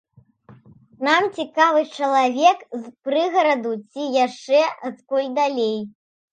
Нам цікавы чалавек з прыгараду ці яшчэ адкуль далей.